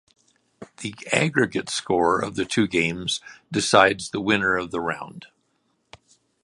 The aggregate score of the two games decides the winner of the round.